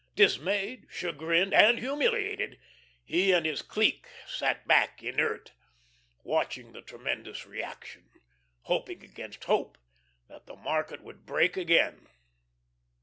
Dismayed, chagrined, and humiliated, he and his clique sat back inert, watching the tremendous reaction, hoping against hope that the market would break again.